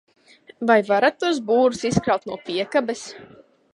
Vai varat tos būrus izkraut no piekabes?